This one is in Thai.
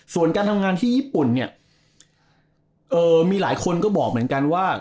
เพราะฉะนั้นที่ญี่ปุ่นนี่เออมีหลายคนก็บอกเหมือนกันว่า